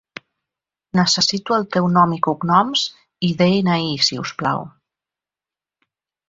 Necessito el teu nom i cognoms i de-ena-i, si us plau.